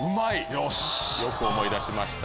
よく思い出した。